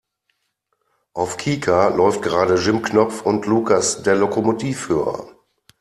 Auf Kika läuft gerade Jim Knopf und Lukas der Lokomotivführer.